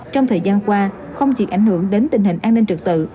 trong thời gian qua không chỉ ảnh hưởng đến tình hình an ninh trực tự